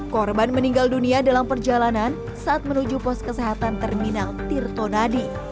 korban meninggal dunia dalam perjalanan saat menuju pos kesehatan terminal tirtonadi